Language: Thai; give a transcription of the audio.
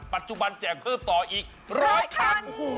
ปัจจุบันแจกเพิ่มต่ออีก๑๐๐คัน